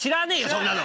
そんなの！